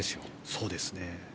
そうですね。